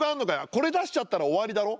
これ出しちゃったら終わりだろ？」。